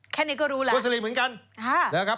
แค่นี้ก็รู้แล้วโดยที่สลิมเหมือนกัน